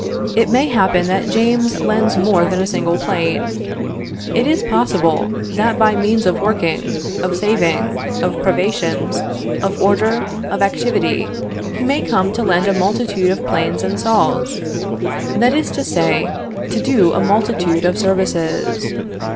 It may happen, that James lends more than a single plane. It is possible, that by means of working, of saving, of privations, of order, of activity, he may come to lend a multitude of planes and saws; that is to say, to do a multitude of services.